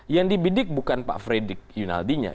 yang dibidik bukan pak fredy yonaldinya